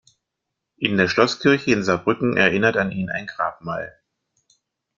In der Schlosskirche in Saarbrücken erinnert an ihn ein Grabmal.